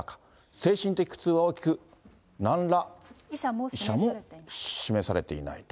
精神的苦痛は大きく、なんら慰謝も示されていないと。